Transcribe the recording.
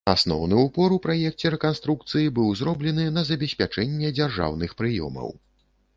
Асноўны ўпор у праекце рэканструкцыі быў зроблены на забеспячэнне дзяржаўных прыёмаў.